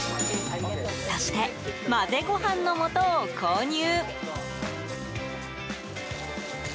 そして、混ぜご飯のもとを購入。